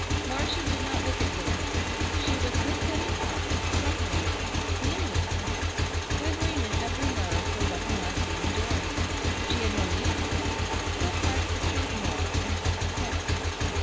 Marcia did not look at David. She was with him in heart, suffering with him, feeling for him, quivering in every nerve for what he might be enduring. She had no need to look. Her part was to ignore, and help to cover.